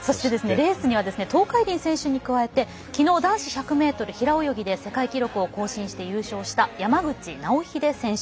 レースには東海林選手に加えてきのう男子１００ｍ平泳ぎで世界記録を更新して優勝した山口尚秀選手。